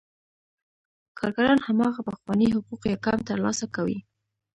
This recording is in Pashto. کارګران هماغه پخواني حقوق یا کم ترلاسه کوي